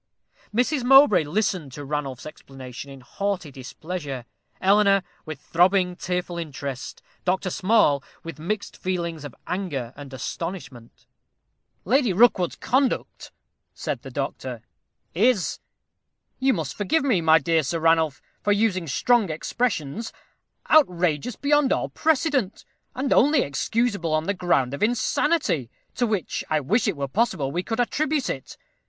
Mrs. Mowbray listened to Ranulph's explanation in haughty displeasure; Eleanor with throbbing, tearful interest; Dr. Small, with mixed feelings of anger and astonishment. "Lady Rookwood's conduct," said the doctor, "is you must forgive me, my dear Sir Ranulph, for using strong expressions outrageous beyond all precedent, and only excusable on the ground of insanity, to which I wish it were possible we could attribute it.